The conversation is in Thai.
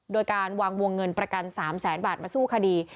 โดยการวางวงเงินประกัน๓แสนบาทมาสู้คดี